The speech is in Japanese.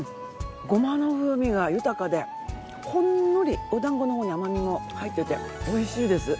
ごまの風味が豊かでほんのりおだんごの方に甘みも入っていておいしいです。